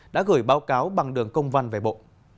đã gửi báo cáo bằng đường công văn về bộ